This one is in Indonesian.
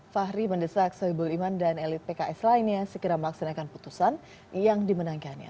fahri mendesak soebul iman dan elit pks lainnya segera melaksanakan putusan yang dimenangkannya